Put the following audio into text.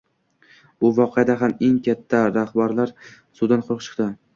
Bu voqeada ham eng katta rahbarlar suvdan quruq chiqdi